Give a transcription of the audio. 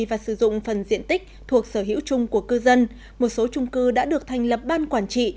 và sử dụng phần diện tích thuộc sở hữu chung của cư dân một số trung cư đã được thành lập ban quản trị